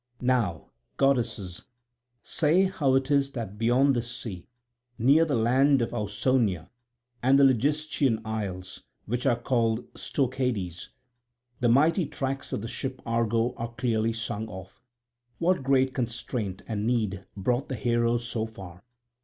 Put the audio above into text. Now, goddesses, say how it is that beyond this sea, near the land of Ausonia and the Ligystian isles, which are called Stoechades, the mighty tracks of the ship Argo are clearly sung of? What great constraint and need brought the heroes so far?